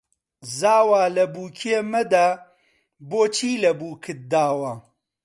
زاوا لە بووکێ مەدە بۆچی لە بووکت داوە